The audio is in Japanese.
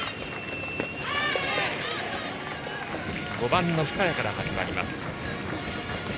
５番、深谷から始まります。